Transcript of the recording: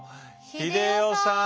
英世さん。